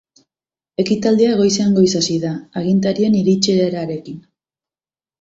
Ekitaldia goizean goiz hasi da, agintarien iritsierarekin.